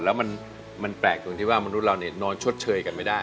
แล้วมันแปลกตรงที่ว่ามนุษย์เรานอนชดเชยกันไม่ได้